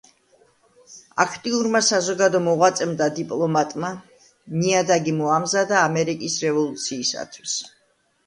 აქტიურმა საზოგადო მოღვაწემ და დიპლომატმა ნიადაგი მოამზადა ამერიკის რევოლუციისთვის.